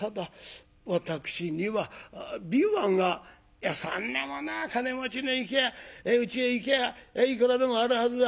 「いやそんなものは金持ちのうちへ行きゃいくらでもあるはずだ」。